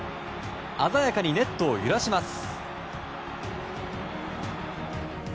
鮮やかにネットを揺らします。